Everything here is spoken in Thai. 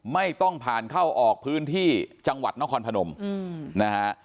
ไม่ต้องผ่านเข้าออกพื้นที่จังหวัดนครพนมนะฮะ